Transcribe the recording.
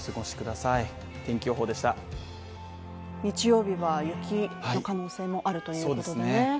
日曜日は雪の可能性もあるということでね。